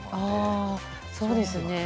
ああそうですね。